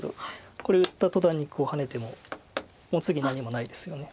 これ打った途端にハネてももう次何もないですよね。